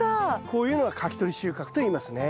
こういうのがかき取り収穫といいますね。